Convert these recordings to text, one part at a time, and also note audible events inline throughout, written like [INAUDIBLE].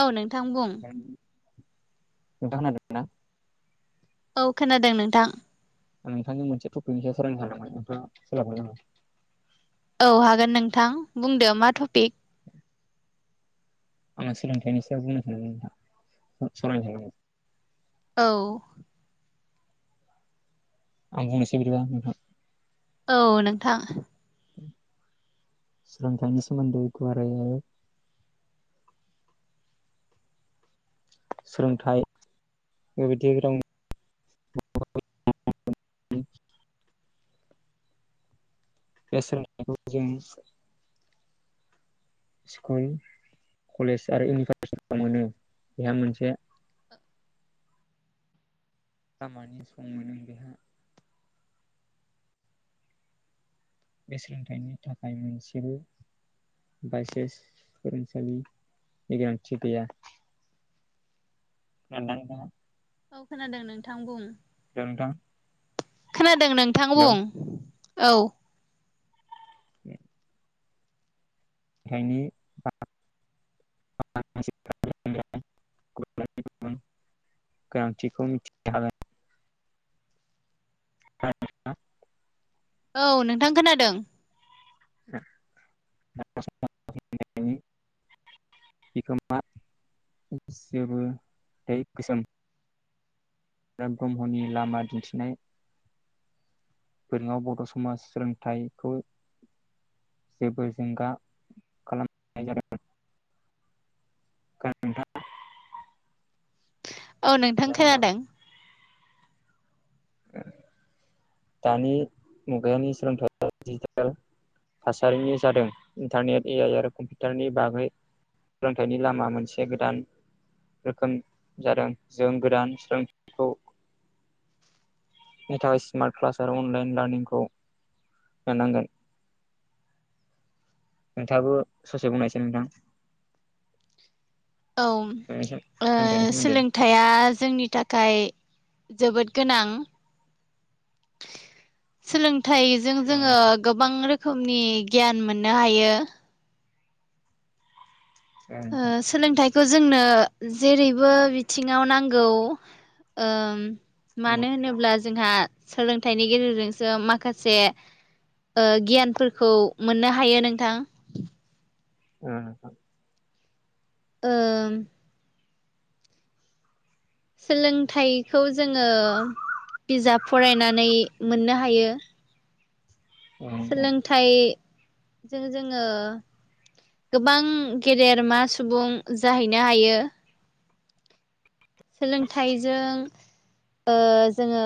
औ नोंथां बुं [INAUDIBLE] औ खोनादों नोंथां। नोंथांनि मोनसे टपिकनि सायाव सावरायनो सानदोंमोन नोंथाङा सोलाबगोन ना। औ हागोन नोंथां बुंदो मा टपिक। [INAUDIBLE] आं सोलोंथाइनि सायाव बुंनो सांसदों सावरायनायाव औ आंबो मोनसे बिदिबा औ नोंथां सोलोंथाइनि सोमोन्दै गुवारैनो सोलोंथाइ बेबायदि राव बे सोलोंथायखौ जों स्कुल कलेज आरो इउनिभारसिटियाव मोनो बेहाय मोनसे खामानि सम मोनो बेहाय बे सोलोंथाइनि थाखाय मोनसेबो बायसानस फोरोंसालिनि गोनांथि गैया ए [UNINTELLIGIBLE] औ खोनादों नोंथां बुं नोंथां खोनादों नोंथां हेलौ। बुं औ बे [UNINTELLIGIBLE] गुबुन गुबुन गोनांथिखौ मिथिनो हागोन ह [UNINTELLIGIBLE] औ नोंथां खोनादों [UNINTELLIGIBLE] बिखोमा जेबो दै गोसोम रुपनाथ ब्रह्मनि लामा दिन्थिनाय बेयाव बर' समाज सोलोंथाइखौ जेबो जिंगा खालामनाय जादों [UNINTELLIGIBLE] औ नोंथां खोनादों [INAUDIBLE] दानि मुगानि सोलोंथाइ दिजिटेल थासारिनि जादों इन्टारनेट ए आइ आरो कम्पिउटारनि बागै सोलोंथाइनि लामा मोनसे गोदान रोखोम जादों जों गोदान सोलोंथाइखौ नि थाखाय स्मार्ट क्लास आरो अनलाइन लार्ननिंखौ लानांगोन नोंथाङाबो ससे बुंनायसै नोंथां औ नोंनिसिम ओ सोलोंथाइनि सो सोमोन्दै खोथाया जोंनि थाखाय जोबोद गोनां [INAUDIBLE] सोलोंथाइजों औ जोङो गोबां रोखोमनि गियान मोननो हायो नोंथां सोलोंथाइ खौ जोंनो जेरैबो बिथिङाव नांगौ ओ औ नोंथां मानो होनोब्ला जोंहा सोलोंथाइनि गेजेरजोंसो माखासे ओ गियानफोरखौ मोननो हायो नोंथां। ओं ओ सोलोंथाइखौ जोङो बिजाब फरायनानै मोननो हायो। औ नोंथां औ नोंथां सोलोंथाइजों जोङो। गोबां गेदेरमा सुबुं जाहैनो हायो। सोलोंथाइजों ओ जोङो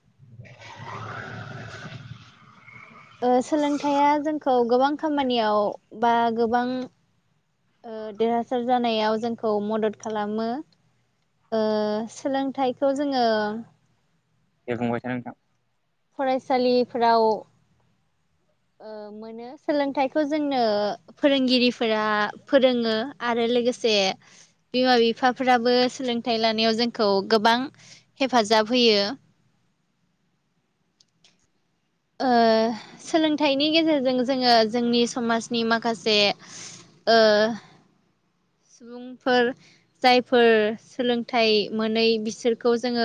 [INAUDIBLE] ओ सोलोंथाया जोंखौ गोबां खामानियाव बा गोबां। देरहासार जानायाव जों खौ मदद खालामो ओ सोलोंथाइखौ जोङो दे बुंबायथा नोंथां। फरायसालिफोराव ओ मोनो सोलोंथाइखौ जोंनो फोरोंगिरिफोरा फोरोङो आरो लोगोसे बिमा बिफाफ्राबो सोलोंथाइ लानायाव जोंखौ गोबां हेफाजाब होयो। ओं सोलोंथाइनि गेजेरजों जोङो जोंनि समाजनि माखासे ओ सुबुंफोर जायफोर सोलोंथाइ मोनै बिसोरखौ जोङो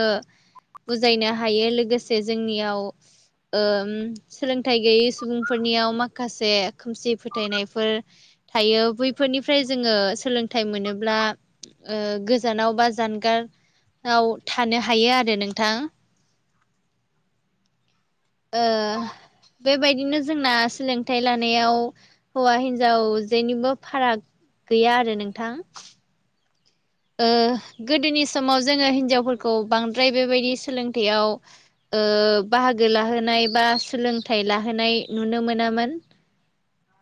बुजायनो हायो लोगोसे जोंनियाव ओ सोलोंथाइ गैयै सुबुंफोरनियाव माखासे खोमसि फोथायनायफोर थायो बैफोरनिफ्राय जोङो सोलोंथाइ मोनोब्ला ओ गोजानाव बा जानगार आव थानो हायो आरो नोंथां ओ बेबायदिनो जोंना सोलोंथाइ लानायाव हौवा हिनजाव जेनिबो फाराग गैया आरो नोंथां ओ गोदोनि समाव जोङो हिनजावफोरखौ बांद्राय बेबायदि सोलोंथायाइयाव ओ बाहागो लाहोनाय बा सोलोंथाइ लाहोनाय नुनो मोनामोन।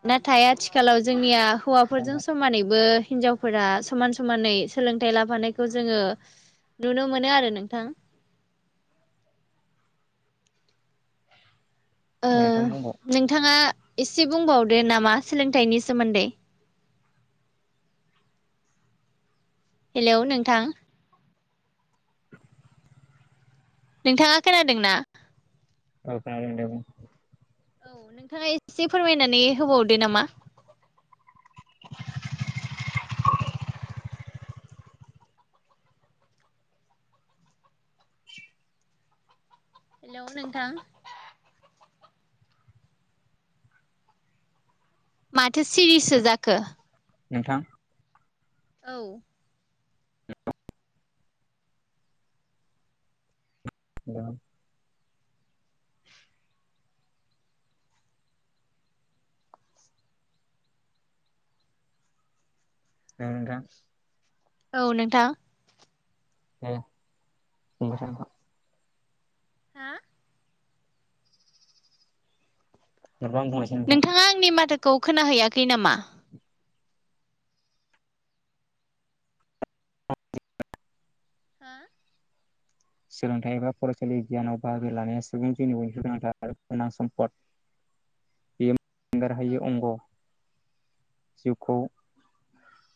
नाथाय आथिखालाव जोंनिया हौवाफोरजों समानैबो हिनजावफोरा समान समानै सोलोंथाइ लाफानायखौ जोङो नुनो मोनो आरो नोंथां। ओ नोंथां बुंबाव नोंथाङा एसे बुंबावदो नामा सोलोंथाइनि सोमोन्दै हेलौ नोंथां नोंथाङा खोनादों ना? औ खोनादों दे बुं औ नोंथाङा एसे फोरमायनानै होबावदो नामा? हेल' नोंथां माथो सिरिसो जाखो? नोंथां औ [UNINTELLIGIBLE] नोंथां औ नोंथां दे [UNINTELLIGIBLE] हा? [UNINTELLIGIBLE] नोंथाङा आंनि माथोखौ खोन हैैयाखै नामा? हा? सोलोंथाइ एबा फरायसालि गियानाव बाहागो लानाया सुबुं जिउनि बयनिख्रुइबो गोनांथार आरो गोनां सम्पद। बे ऐंगार हायि अंग। जिउखौ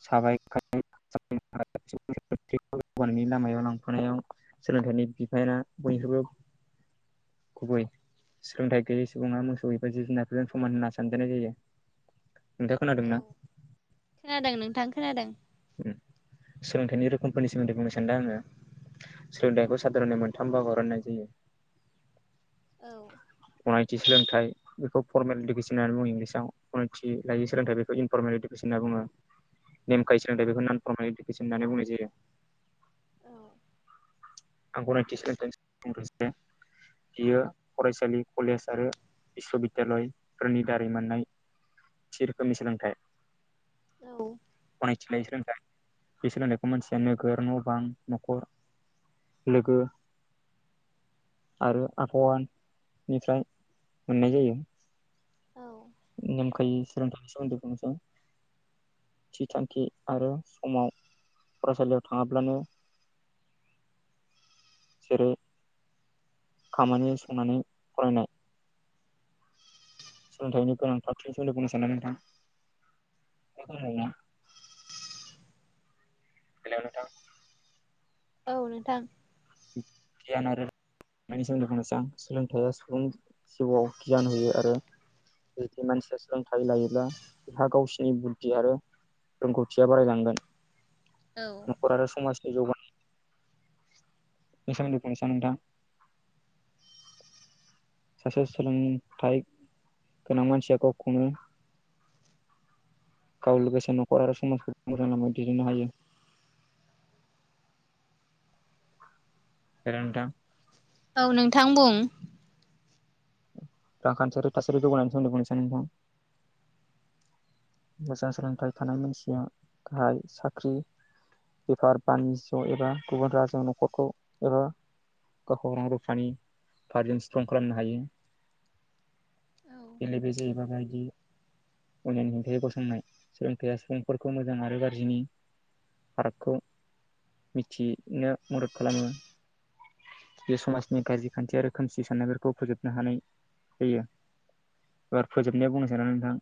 साबाय [UNINTELLIGIBLE] लामायाव लांफानायाव सोलोंथाइनि बिफायानआ बयनिख्रुयबो गुबै सोलोंथाइ गैयै सुबुङा मोसौ एबा जिब जुनारफोरजों समान होना सानजानाय जायो। नोंथाङा खोनादोंना? खोनादों नोंथां खोनादों सोलोंथाइनि रोखोमफोरनि सोमोन्दै बुंनो सान्दों आङो सोलोंथाइखौ साधारनै मोनथाम बागाव राननाय औ जायो। थि सोलोंथाइ बेखौ फरमेल इडुकेसन होननानै बुङ इंलिसाव गनायथि लायोै सोलोंथ बेखौ इनरमेल इडुकेस होनना बुङो। [UNINTELLIGIBLE] होननानै बुंनाय जायो। औ। आंखौ [UNINTELLIGIBLE] बियो फरायसालि कलेज आरो बिस्व' बिद्दालयफोरनि दारै मोननाय। मोनसे रोखोमनि सोलोंथाइ। औ। नायथिनाय सोलोंथाइ बे सोलोंथाइखौ मानसिया नोगोर, न' बां, न'खर लोगो आरो आबहावानिफ्राय मोननाय जायो। औ नेमखाय [UNINTELLIGIBLE] थि थांखि आरो समाव फरायसालियाव थाङाब्लानो जेरै खामानि संनानै फरायनाय सोलोंथाइनि गोनांथार [UNINTELLIGIBLE] नोंथां? [UNINTELLIGIBLE] हेल' नोंथां। औ नोंथां। गियान आरो बेनि सोमोन्दै बुंनोसै आं सोलोंथाइया सुबुं जिउआव गियान होयो आरो जुदि मानसिया सोलोंथाइ लायोब्ला बिहा गावसिनि बुद्धि आरो रोंगौथिया बारायलांगोन, न'खर आरो समाजनि जौगानाय बेनि सोमोन्दै बुंनोसै आं नोंथां। सासे सोलोंथाइ गोनां मानसिया गावखौनो गाव लोगोसे न'खर आरो समाजखौ मोजां लामायाव दैदेननो हायो। हेल' नोंथां। औ नोंथां बुं? रांखानथियारि थासारि जौगानायनि सोमोन्दै बुंनोसै आं नोंथां। मोजां सोलोंथाइ थानाय मानसिया गाहाय साख्रि बेफार बानिज्य एबा गुबुन राहाजों न'खरखौ एबा गावखौ रां रुफानि भारजों स्ट्रं खालामनो हायो। औ बेले बेजे एबा बायदि अननायनि [UNINTELLIGIBLE] गसंनाय सोलोंथाइया सुबुंफोरखौ मोजां आरो गाज्रिनि फारागखौ मिथिनो मदद खालामो। बे समाजनि गाज्रि खान्थि आरो खोमसि साननायफोरखौ फोजोबनो हानाय जायो। एबार फोबनायाव बुंनो सानो नोंथां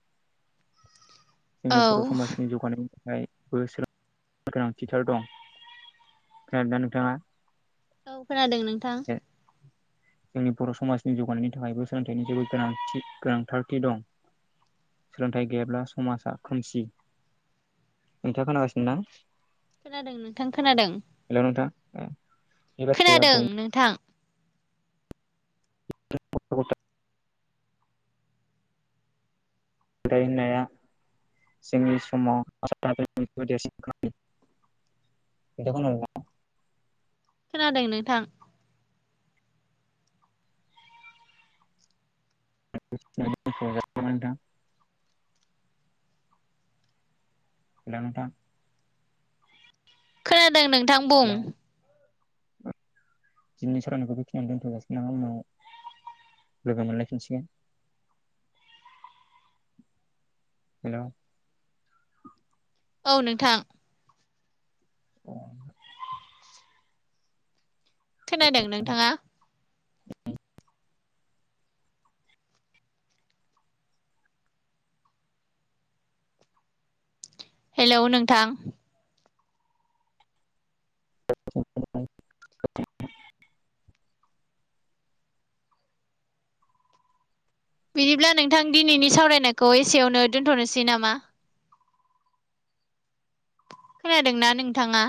जोंनि औ बर' समाजनि जौगानाय फाय बोसोर [UNINTELLIGIBLE] गोनांथिथार दं। खोनादों दा नोंथाङा? औ खोनादों नोंथां। जोंनि बर' समाजनि जौगानायनि थाखायबो सोलोंथाइनि जेबो गोनांथि गोनांथारखि दं सोलोंथाइ गैयाब्ला समाजा खोमसि नोंथाङा खोनागासिनो दां खोनादों नोंथां खोनादों हेल' नोंथां बे बाथ्राया खोनादों बय नोंथां [UNINTELLIGIBLE] बिदाय होननाया जोंनि समाव [UNINTELLIGIBLE] देरसिन खालायो। [UNINTELLIGIBLE] खोनादों नोंथां। [UNINTELLIGIBLE] नोंथां। नोंथां खोनादों नोंथां बुं हेलौ दिनै सरानिखौ बेखिनियावनो दोन्थ'गासिग आं उनाव लोगो मोनलायफिनसिगोन हेल' औ नोंथां अ खोनादों नोंथाङा हेलौ नोंथां [UNINTELLIGIBLE] [UNINTELLIGIBLE] बिदिब्ला नोंथां दिनैनि सावरायनायखौ एसेयावनो दोन्थ'नोसै नामा खोनादोंना नोंथाङा